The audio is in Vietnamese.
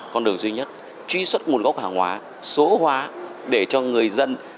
con đường duy nhất truy xuất nguồn gốc hàng hóa số hóa để cho người dân